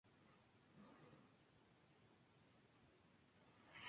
Hay una fábrica de ropa.